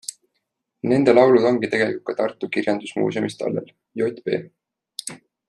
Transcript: Nende laulud ongi tegelikult ka Tartu kirjandusmuuseumis tallel - J. P.